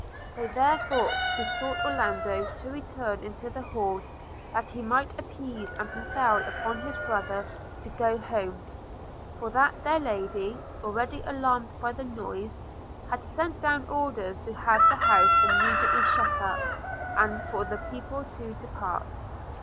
They therefore besought Orlando to return into the hall, that he might appease and prevail upon his brother to go home; for that their Lady, already alarmed by the noise, had sent down orders to have the house immediately shut up, and for the people to depart.